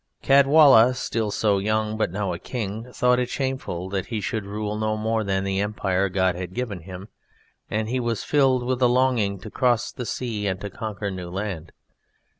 Caedwalla, still so young but now a king, thought it shameful that he should rule no more than the empire God had given him, and he was filled with a longing to cross the sea and to conquer new land.